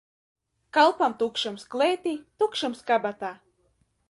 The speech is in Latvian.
Kalpam tukšums klētī, tukšums kabatā.